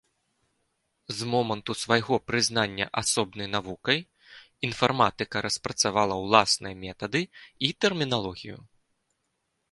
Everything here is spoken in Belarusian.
З моманту свайго прызнання асобнай навукай інфарматыка распрацавала ўласныя метады і тэрміналогію.